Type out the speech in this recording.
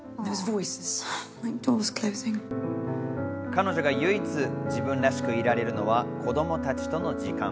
彼女が唯一、自分らしくいられるのは子供たちとの時間。